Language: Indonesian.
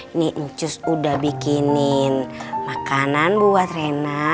ini cus udah bikinin makanan buat rena